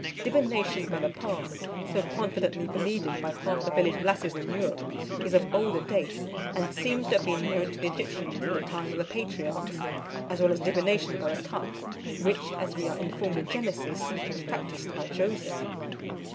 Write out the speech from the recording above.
Divination by the palm, so confidently believed in by half the village lasses in Europe, is of older date, and seems to have been known to the Egyptians in the time of the patriarchs; as well as divination by the cup, which, as we are informed in Genesis, was practised by Joseph.